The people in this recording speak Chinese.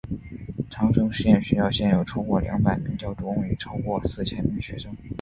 长城实验学校现有超过两百名教职工与超过四千名学生。